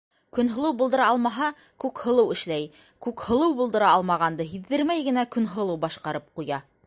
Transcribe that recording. Көнһылыу булдыра алмаһа, Күкһылыу әшләй, Күкһылыу булдыра алмағанды һиҙҙермәй генә Көнһылыу башҡарып ҡуя.